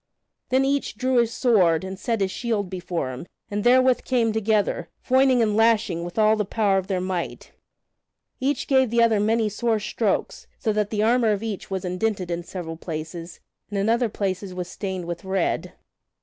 Then each drew his sword and set his shield before him, and therewith came together, foining and lashing with all the power of their might. Each gave the other many sore strokes, so that the armor of each was indented in several places and in other places was stained with red.